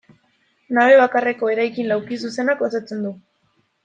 Nabe bakarreko eraikin laukizuzenak osatzen du.